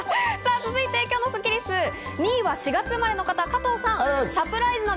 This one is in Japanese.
続いて今日のスッキりす、２位は４月生まれの方、加藤さん。